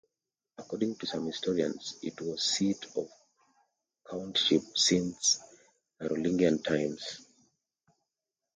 According to some historians, it was seat of a countship since Carolingian times.